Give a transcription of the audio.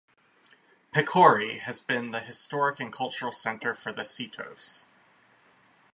Pechory has been the historic and cultural centre for the Setos.